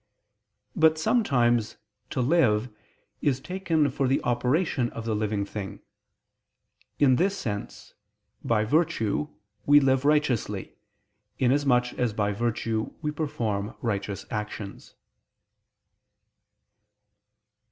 But sometimes "to live" is taken for the operation of the living thing: in this sense, by virtue we live righteously, inasmuch as by virtue we perform righteous actions.